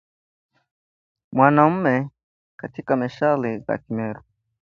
mwanamume katika methali za Kimeru